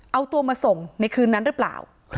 เอาตัวมาส่งในคืนนั้นหรือเปล่า